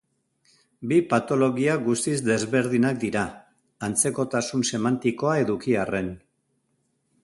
Bi patologia guztiz desberdinak dira, antzekotasun semantikoa eduki arren.